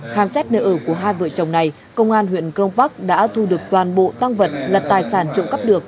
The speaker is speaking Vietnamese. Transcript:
khám xét nơi ở của hai vợ chồng này công an huyện crong park đã thu được toàn bộ tăng vật là tài sản trộm cắp được